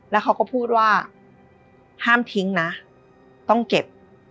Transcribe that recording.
แล้วเขาก็พูดว่าห้ามทิ้งนะต้องเก็บ